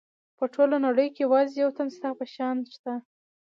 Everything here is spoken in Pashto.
په ټوله نړۍ کې یوازې یو تن ستا په شان شته.